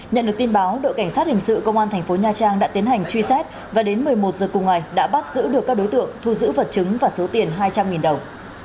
nhận được tin báo đội cảnh sát hình sự công an thành phố nha trang đã tiến hành truy xét và đến một mươi một giờ cùng ngày đã bắt giữ được các đối tượng thu giữ vật chứng và số tiền hai trăm linh đồng